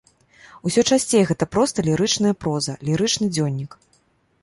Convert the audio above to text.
Усё часцей гэта проста лірычная проза, лірычны дзённік.